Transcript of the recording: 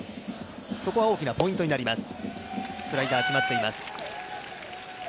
そこは大きなポイントになります。